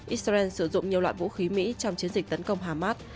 israel sử dụng nhiều loại vũ khí mỹ trong chiến dịch tấn công hamas